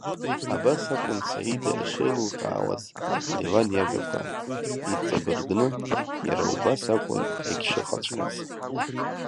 Абас акәын Саида ишеилылкаауаз Леван иажәақәа, иҵабыргны, иара убас акәын иагьшыҟаҵәҟьаз.